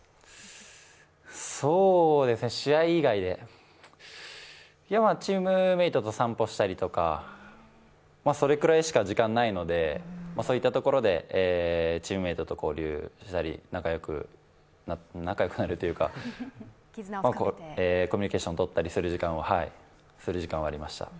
試合以外でチームメイトと散歩したりとかそれくらいしか時間ないのでそういったところでチームメイトと交流したり、仲よくなるというかコミュニケーションとったりする時間はありました。